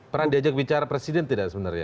pernah diajak bicara presiden tidak sebenarnya